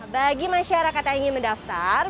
bagi masyarakat yang ingin mendaftar